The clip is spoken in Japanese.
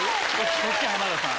こっち浜田さん。